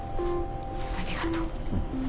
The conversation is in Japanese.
ありがと。